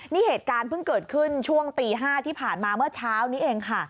นี่เหตุการณ์เพิ่งเกิดขึ้นช่วงตี๕ที่ผ่านมาเมื่อเช้านี้เองค่ะ